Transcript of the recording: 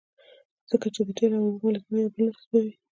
ځکه چې د تیلو او اوبو مالیکولونه یو بل نه جذبوي